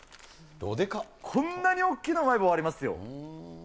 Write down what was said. こんなに大きなうまい棒ありますよ。